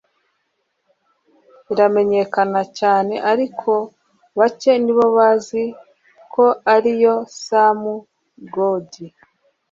iramenyekana cyane ariko bacye nibo bazi ko ari iya Sam Gody